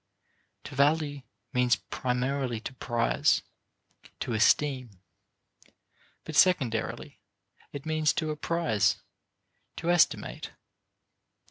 To value means primarily to prize, to esteem; but secondarily it means to apprise, to estimate.